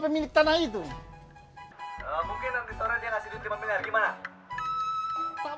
mungkin nanti sore dia ngasih duit di panggilan